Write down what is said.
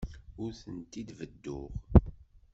Ur tent-id-bedduɣ.